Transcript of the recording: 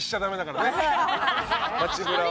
街ブラは。